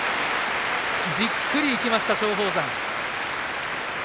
じっくりいきました松鳳山。